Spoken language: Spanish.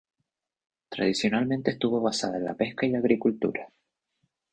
Tradicionalmente estuvo basada en la pesca y la agricultura.